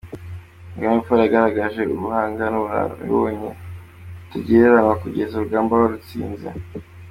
Kagame Paul yaragaragaje ubuhanga n’ubunararibonye butagereranywa kugeza urugamba barutsinze.